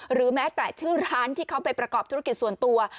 หรือแม้แต่ชื่อร้านที่เขาไปประกอบธุรกิจส่วนตัว